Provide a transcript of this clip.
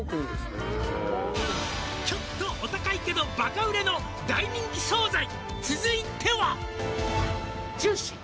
「ちょっとお高いけどバカ売れの大人気惣菜」